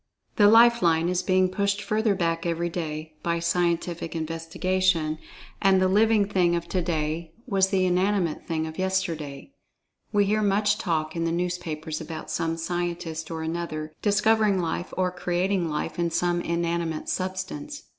The "Life line" is being pushed further back every day, by scientific investigation, and the "living" thing of today was the "inanimate" thing of yesterday. We hear much talk in the newspapers about some scientist, or another, "discovering life," or "creating life," in some "inanimate substance."